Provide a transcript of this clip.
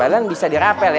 padahal bisa dirapel ya